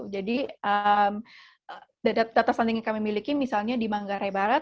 jadi data stunting yang kami miliki misalnya di manggarai barat